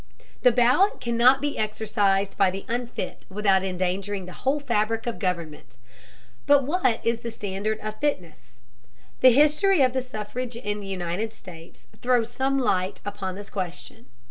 The ballot cannot be exercised by the unfit without endangering the whole fabric of government. But what is the standard of fitness? The history of the suffrage in the United States throws some light upon this question.